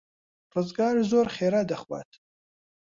ڕزگار زۆر خێرا دەخوات.